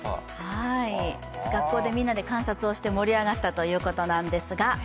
学校でみんなで観察をして盛り上がったということなんですが。